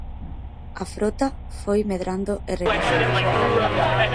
A frota foi medrando e renovándose.